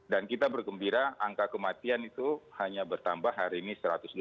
dan kita bergembira angka kematian itu hanya bertambah hari ini satu ratus dua puluh sembilan